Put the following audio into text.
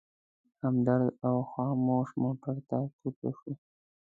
همدرد او خاموش موټر ته پورته شوو.